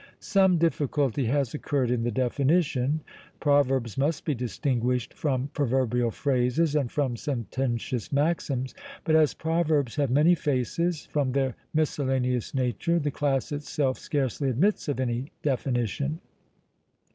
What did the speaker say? Some difficulty has occurred in the definition. Proverbs must be distinguished from proverbial phrases, and from sententious maxims; but as proverbs have many faces, from their miscellaneous nature, the class itself scarcely admits of any definition.